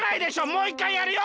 もういっかいやるよ！